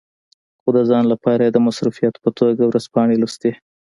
خو د ځان لپاره یې د مصروفیت په توګه ورځپاڼې لوستې.